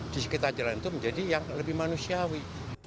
di sekitar jalan itu menjadi yang lebih manusiawi